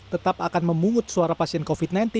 tetap akan memungut suara pasien covid sembilan belas